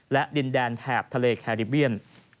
และดินแดนแถบทะเลแคริเบียน